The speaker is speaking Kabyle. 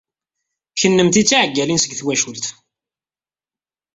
Kennemti d tiɛeggalin seg twacult.